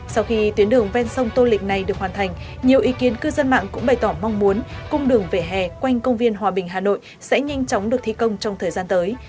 sau khi tuyến đường ven sông tô lịch này được hoàn thành nhiều ý kiến cư dân mạng cũng bày tỏ mong muốn cung đường về hè quanh công viên hòa bình hà nội sẽ nhanh chóng được thi công trong thời gian tới